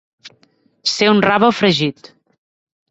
Ser un rave fregit.